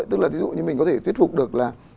tức là ví dụ như mình có thể thuyết phục được là